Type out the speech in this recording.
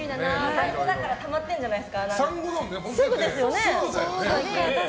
産後だからたまってるんじゃないですか？